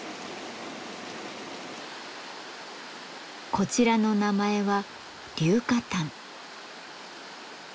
こちらの名前は龍軻譚。